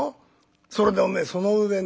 それでおめえその上ね